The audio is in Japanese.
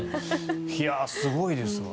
いや、すごいですわ。